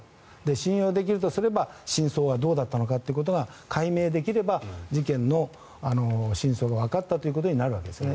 信用できるとすれば、真相はどうだったのかということを解明できれば、事件の真相がわかったということになるわけですね。